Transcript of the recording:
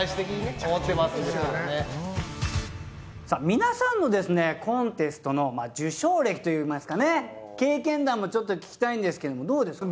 皆さんのですねコンテストの受賞歴といいますかね経験談もちょっと聞きたいんですがどうですか？